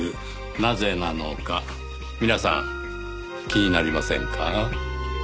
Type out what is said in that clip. なぜなのか皆さん気になりませんか？